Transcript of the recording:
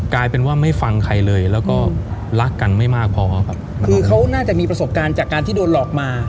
กลายเป็นว่าไม่ฟังใครเลยแล้วก็รักกันไม่มากพอครับคือเขาน่าจะมีประสบการณ์จากการที่โดนหลอกมา